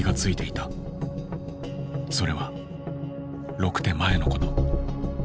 それは６手前のこと。